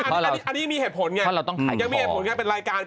อันนี้มีเหตุผลไงยังมีเหตุผลไงเป็นรายการ